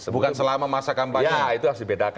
bukan selama masa kampanye